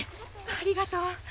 ありがとう。